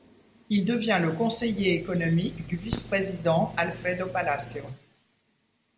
Il devient le conseiller économique du vice-président Alfredo Palacio.